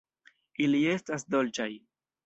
Ili estas dolĉaj!